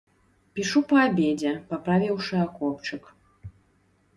Пішу па абедзе, паправіўшы акопчык.